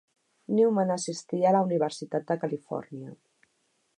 Newman assistia a la Universitat de Califòrnia.